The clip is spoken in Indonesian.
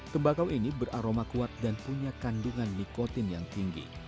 tembakau ini beraroma kuat dan punya kandungan nikotin yang tinggi